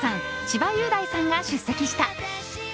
千葉雄大さんが出席した。